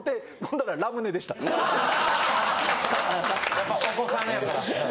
やっぱお子さんやから。